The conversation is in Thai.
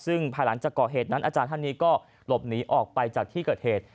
ซึ่งภายหลังจากก่อเหตุนั้นอาจารย์ท่านนี้ก็หลบหนีออกไปจากที่เกิดเหตุ